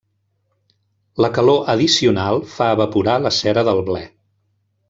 La calor addicional fa evaporar la cera del ble.